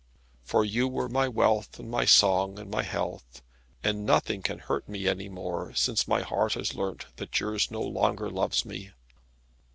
For you were my wealth and my song and my health, and nothing can hurt me any more, since my heart has learnt that yours no longer loves me.